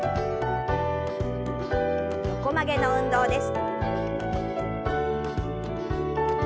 横曲げの運動です。